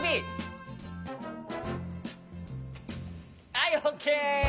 はいオーケー！